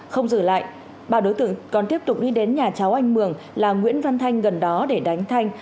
không dừng lại ba đối tượng còn tiếp tục đi đến nhà cháu anh mường là nguyễn văn thanh gần đó để đánh thanh